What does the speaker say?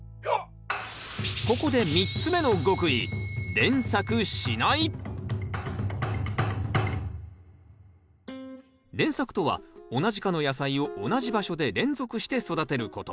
ここで３つ目の極意連作とは同じ科の野菜を同じ場所で連続して育てること。